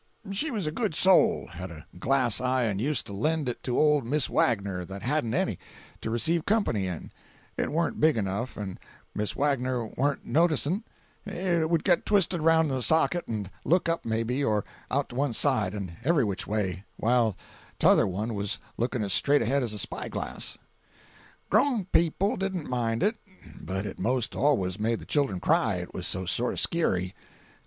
385.jpg (52K) She was a good soul—had a glass eye and used to lend it to old Miss Wagner, that hadn't any, to receive company in; it warn't big enough, and when Miss Wagner warn't noticing, it would get twisted around in the socket, and look up, maybe, or out to one side, and every which way, while t' other one was looking as straight ahead as a spy glass. "Grown people didn't mind it, but it most always made the children cry, it was so sort of scary.